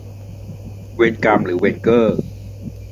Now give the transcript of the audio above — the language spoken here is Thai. เวนกำหรือเวนเกอร์